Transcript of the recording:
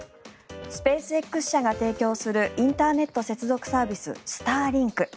スペースＸ社が提供するインターネット接続サービススターリンク。